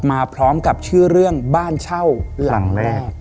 มาพร้อมกับชื่อเรื่องบ้านเช่าหลังแรก